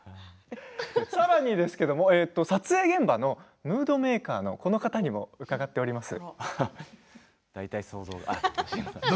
さらに撮影現場のムードメーカーのこの方にも伺っております。